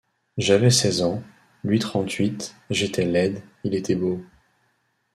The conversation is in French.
J’avais seize ans, lui trente-huit, j’étais laide, il était beau.